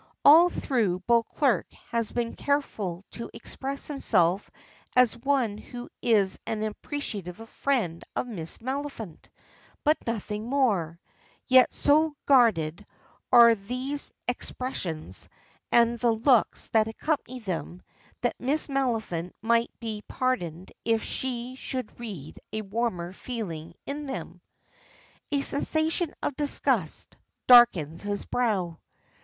All through, Beauclerk has been careful to express himself as one who is an appreciative friend of Miss Maliphant, but nothing more; yet so guarded are these expressions, and the looks that accompany them, that Miss Maliphant might be pardoned if she should read a warmer feeling in them. A sensation of disgust darkens his brow.